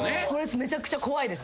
めちゃくちゃ怖いです。